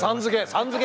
「さん」付け。